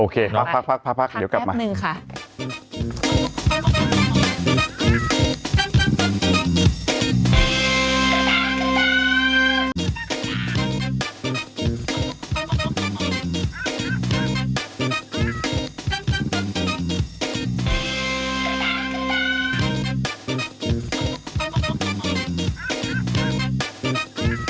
โอเคพักเดี๋ยวกลับมา